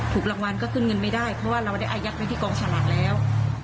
ถูกรางวัลก็ขึ้นเงินไม่ได้เพราะว่าเราได้อายัดไว้ที่กองสลากแล้ว